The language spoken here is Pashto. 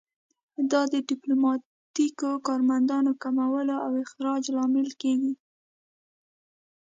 دا د ډیپلوماتیکو کارمندانو کمولو او اخراج لامل کیږي